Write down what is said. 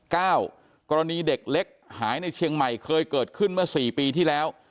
กรณีเด็กเล็กหายในเชียงใหม่เคยเกิดขึ้นเมื่อสี่ปีที่แล้ว